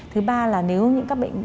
thứ ba là nếu những các bệnh